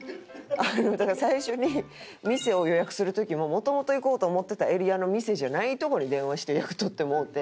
だから最初に店を予約する時ももともと行こうと思ってたエリアの店じゃないとこに電話して予約取ってもうて。